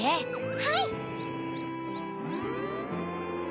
はい！